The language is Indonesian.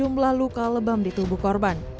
polisi menemukan sejumlah luka lebam di tubuh korban